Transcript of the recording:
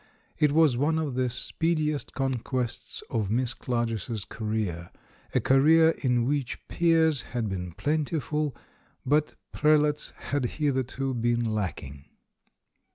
It was one of the speediest conquests of Miss Clarges' career — a career in which peers had been ' plentiful, but prelates had hitherto been lacking.